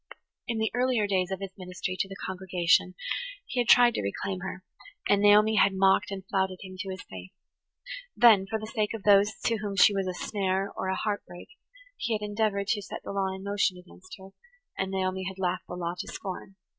In the earlier days of his ministry to the congregation he had tried to reclaim her, and Naomi had mocked and flouted him to his face. Then, for the sake of those to whom she was a snare or a heart break, he had endeavoured to set the law in motion against her, and Naomi had laughed the law to scorn.